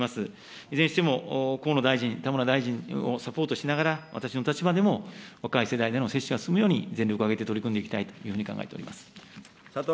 いずれにしても、河野大臣、田村大臣をサポートしながら、私の立場でも、若い世代への接種が進むように全力を挙げて取り組んでいきたいというふうに考えております。